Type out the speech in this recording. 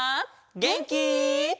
げんき？